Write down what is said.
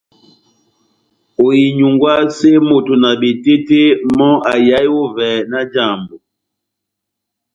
Oinyungwase moto na betete mò aihae ovè nájàmbo.